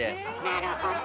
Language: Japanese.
なるほど。